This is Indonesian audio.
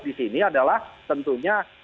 di sini adalah tentunya